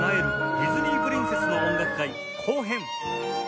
ディズニープリンセスの音楽会後編」